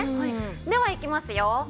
ではいきますよ。